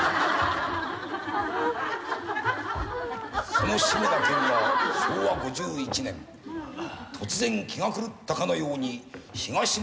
その志村けんが昭和５１年突然気が狂ったかのように『東村山音頭』大ヒット。